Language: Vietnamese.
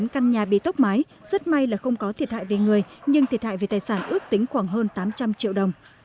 một mươi căn nhà bị tốc mái rất may là không có thiệt hại về người nhưng thiệt hại về tài sản ước tính khoảng hơn tám trăm linh triệu đồng